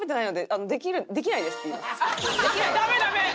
ダメダメ！